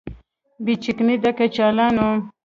بې چکنۍ د کچالانو